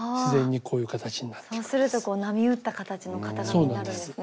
そうするとこう波打った形の型紙になるんですね。